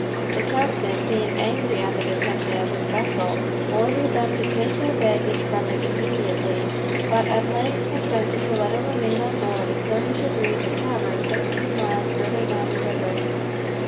The captain being angry at the detention of his vessel, ordered them to take their baggage from it immediately, but at length consented to let it remain on board until he should reach a tavern sixteen miles further down the river.